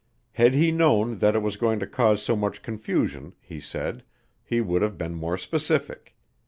Had he known that it was going to cause so much confusion, he said, he would have been more specific.